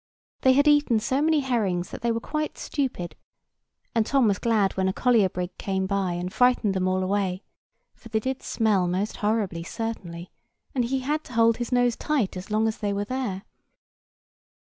They had eaten so many herrings that they were quite stupid; and Tom was glad when a collier brig came by and frightened them all away; for they did smell most horribly, certainly, and he had to hold his nose tight as long as they were there.